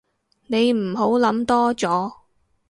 你唔好諗多咗